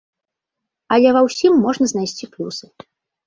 Але ва ўсім можна знайсці плюсы.